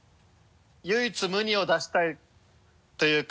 唯一無二を出したいというか。